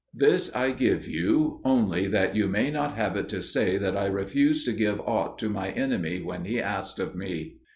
This I give you only that you may not have it to say that I refused to give aught to my enemy when he asked of me.'"